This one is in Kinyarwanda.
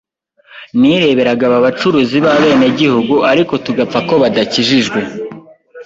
nireberaga aba bacuruzi b’abenegihugu ariko tugapfa ko badakijijwe,